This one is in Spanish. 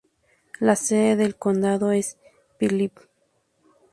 La sede del condado es Philip.